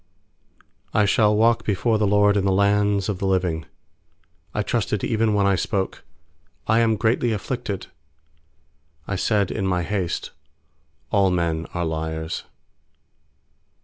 9I shall walk before the LORD In the lands of the living. 10I trusted even when I spoke: 'I am greatly afflicted.' UI said in my haste: 'All men are liars.'